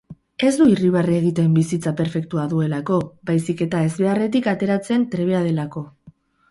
Ez du irribarre egiten bizitza perfektua duelako, baizik eta ezbeharretik ateratzen trebea delako.